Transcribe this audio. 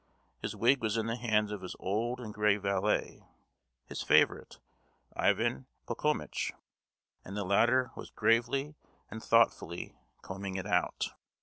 His wig was in the hands of his old and grey valet, his favourite Ivan Pochomitch, and the latter was gravely and thoughtfully combing it out.